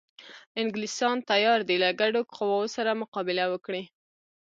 انګلیسیان تیار دي له ګډو قواوو سره مقابله وکړي.